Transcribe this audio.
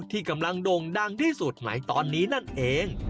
ที่กำลังโด่งดังที่สุดในตอนนี้นั่นเอง